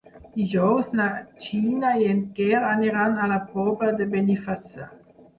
Dijous na Gina i en Quer aniran a la Pobla de Benifassà.